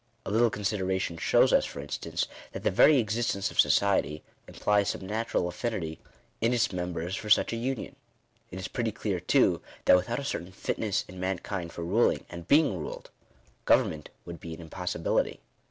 A little con sideration shows us, for instance, that the very existence of society, implies some natural affinity in its members for such Digitized by VjOOQIC INTRODUCTION. f 17 a union. It is pretty clear too, that without a certain fitness in mankind for ruling, and being ruled, government 1 would be an impossibility.